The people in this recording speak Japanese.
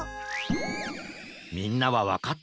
みんなはわかったかな？